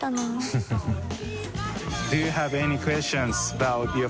フフフ